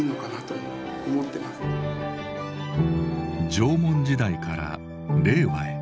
縄文時代から令和へ。